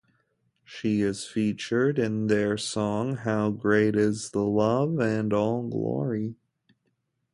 She is featured in their song "How Great Is The Love' and "All Glory"'.